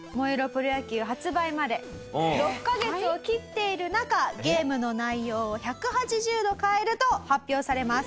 プロ野球』発売まで６カ月を切っている中ゲームの内容を１８０度変えると発表されます。